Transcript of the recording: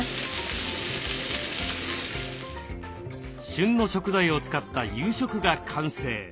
旬の食材を使った夕食が完成。